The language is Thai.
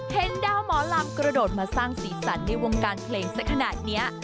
ดาวหมอลำกระโดดมาสร้างสีสันในวงการเพลงสักขนาดนี้